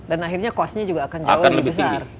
akhirnya cost nya juga akan jauh lebih besar